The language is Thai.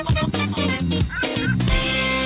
สวัสดีค่ะ